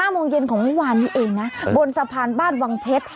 โมงเย็นของเมื่อวานนี้เองนะบนสะพานบ้านวังเพชร